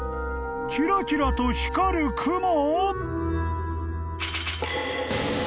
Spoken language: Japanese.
［キラキラと光るクモ！？］